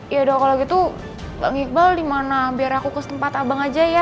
yaudah kalau gitu bang iqbal di mana biar aku ke tempat abang aja ya